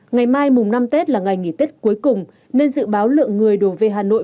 ngày mai mùng năm tết là ngày nghỉ tết cuối cùng nên dự báo lượng người đổ về hà nội